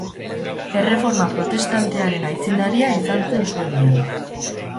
Erreforma Protestantearen aitzindaria izan zen Suedian.